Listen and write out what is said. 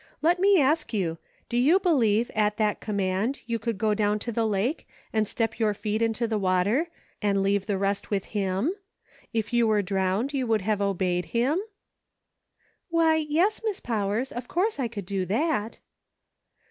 Let me ask you, do you believe at that com g6 "I WILL." mand you could go down to the lake and step your feet into the water, and leave the rest with him ? If you were drowned, you would have obeyed him ?" "Why, yes, Miss Powers, of course I could do that."